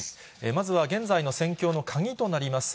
まずは、現在の戦況の鍵となります